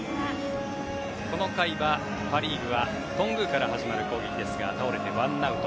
この回はパ・リーグは頓宮から始まる攻撃ですが倒れて、ワンアウト。